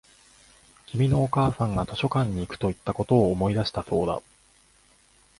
君のお母さんが図書館に行くと言ったことを思い出したそうだ